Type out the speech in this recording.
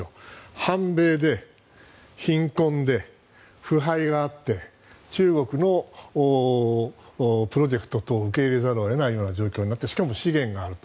反米で貧困で腐敗があって中国のプロジェクト等を受け入れざるを得ないような状況にあってしかも資源があると。